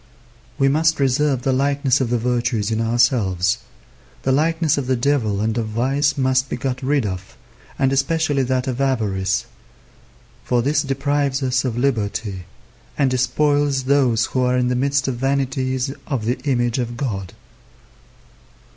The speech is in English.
We must reserve the likeness of the virtues in ourselves. The likeness of the devil and of vice must be got rid of, and especially that of avarice; for this deprives us of liberty, and despoils those who are in the midst of vanities of the image of God.